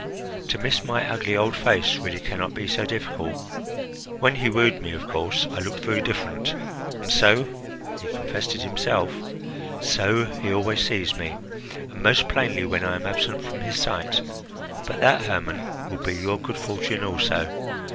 To miss my ugly old face really can not be so difficult! When he wooed me, of course I looked very different. And so he confessed it himself so he always sees me, and most plainly when I am absent from his sight. But that, Hermon, will be your good fortune also.